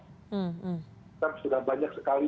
kita sudah banyak sekali